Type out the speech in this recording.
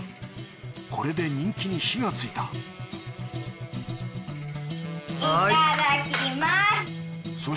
これで人気に火がついたいただきます。